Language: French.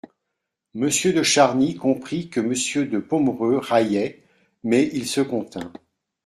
Monsieur de Charny comprit bien que Monsieur de Pomereux raillait, mais il se contint.